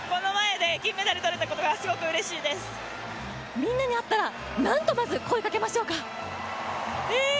みんなに会ったら何と声を掛けましょうか。